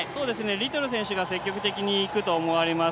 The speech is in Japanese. リトル選手が積極的にいくと思われます。